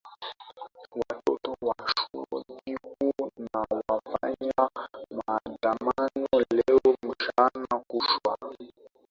Watoto wa chuo kikuu wanafanya maandamano leo mchana kuchwa.